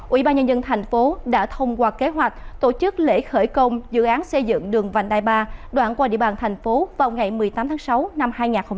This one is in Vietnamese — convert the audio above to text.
ủy ban nhân dân thành phố đã thông qua kế hoạch tổ chức lễ khởi công dự án xây dựng đường vành đai ba đoạn qua địa bàn thành phố vào ngày một mươi tám tháng sáu năm hai nghìn hai mươi